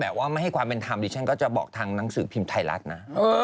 แต่ว่าไม่ให้ความเป็นธรรมดิฉันก็จะบอกทางหนังสือพิมพ์ไทยรัฐนะ